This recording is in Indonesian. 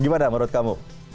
gimana menurut kamu